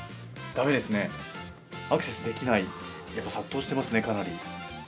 だめですね、アクセスできない殺到してますね、かなり。